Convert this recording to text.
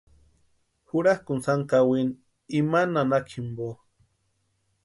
Jurakʼuni sani kawini imani nanaka jimpo.